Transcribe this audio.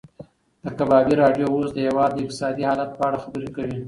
د کبابي راډیو اوس د هېواد د اقتصادي حالت په اړه خبرې کوي.